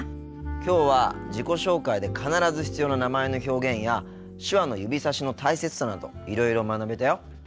きょうは自己紹介で必ず必要な名前の表現や手話の指さしの大切さなどいろいろ学べたよ。